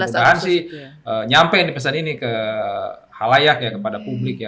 mudah mudahan sih nyampe nih pesan ini ke halayak ya kepada publik ya